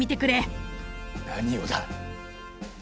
何をだ？